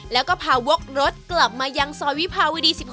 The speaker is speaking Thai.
แล้วก็พาวกรถกลับมายังซอยวิภาวดี๑๖